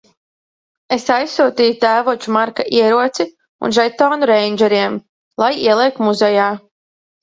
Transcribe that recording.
Es aizsūtīju tēvoča Marka ieroci un žetonu reindžeriem - lai ieliek muzejā.